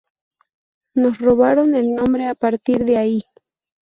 Nos robaron el nombre a partir de ahí".